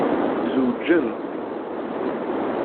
Zewǧen.